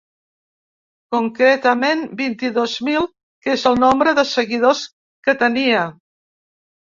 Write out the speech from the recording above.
Concretament vint-i-dos mil, que és el nombre de seguidors que tenia.